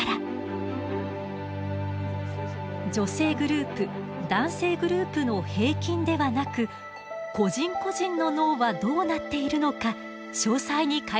女性グループ男性グループの平均ではなく個人個人の脳はどうなっているのか詳細に解析したのです。